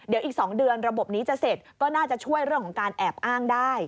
เดี๋ยวอีก๒เดือนระบบนี้จะเสร็จก็น่าจะช่วยเรื่องของการแอบอ้างได้